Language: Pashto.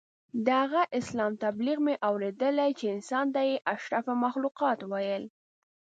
د هغه اسلام تبلیغ مې اورېدلی چې انسان ته یې اشرف المخلوقات ویل.